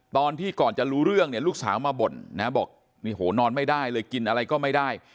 ตอนที่ก่อนจะรู้เรื่องเนี่ยลูกสาวมาบ่นนะบอกนอนไม่ได้เลยกินอะไรก็ไม่ได้